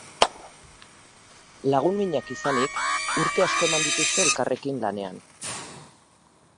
Lagun minak izanik, urte asko eman dituzte elkarrekin lanean.